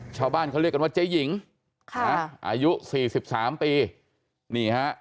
ชาวบ้านเขาเรียกกันว่าเจ๊หญิงค่ะอายุสี่สิบสามปีนี่ฮะ